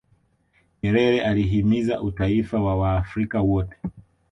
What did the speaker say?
nyerere alihimiza utaifa wa waafrika wote